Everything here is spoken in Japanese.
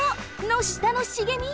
のしたのしげみ。